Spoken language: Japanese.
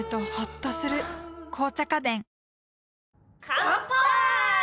乾杯！